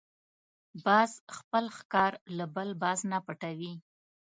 باز خپل ښکار له بل باز نه پټوي